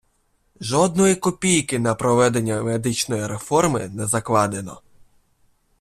Жодної копійки на проведення медичної реформи не закладено.